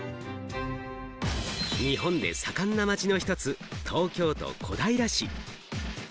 日本で盛んな街の一つ、東京都小平市。